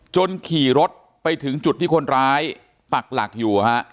ขี่รถไปถึงจุดที่คนร้ายปักหลักอยู่